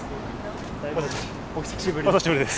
お久しぶりです。